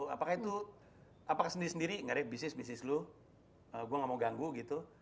apakah itu apakah sendiri sendiri nggak ada bisnis bisnis lo gue gak mau ganggu gitu